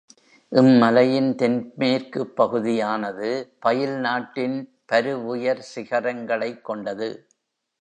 இம் மலையின் தென்மேற்குப் பகுதியானது பயில் நாட் டின் பருவுயர் சிகரங்களைக் கொண்டது.